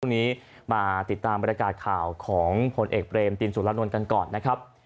มาติดตามบรรยากาศข่าวของผลเอกเบรมตินสุรานนท์กันก่อนนะครับ